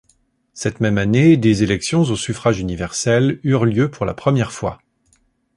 Cette même année, des élections au suffrage universel eurent lieu pour la première fois.